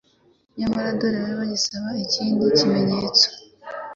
nyamara dore bari bagisaba ikindi kimenyetso!